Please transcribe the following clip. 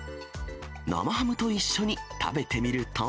生ハムと一緒に食べてみると。